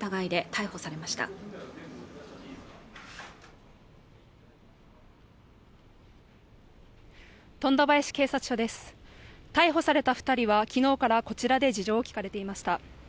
逮捕された二人はきのうからこちらで事情を聴かれていました